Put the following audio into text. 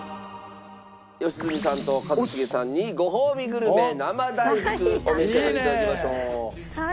良純さんと一茂さんにごほうびグルメ生大福お召し上がり頂きましょう。